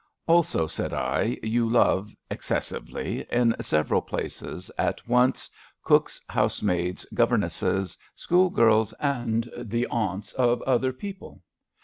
Also," said I, " you love, excessively, in sev eral places at once cooks, housemaids, governesses, schoolgirls and the aunts of other people."